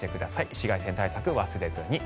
紫外線対策忘れずに。